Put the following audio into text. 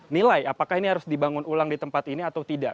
nilai apakah ini harus dibangun ulang di tempat ini atau tidak